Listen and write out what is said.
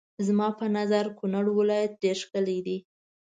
زما په نظر کونړ ولايت ډېر ښکلی دی.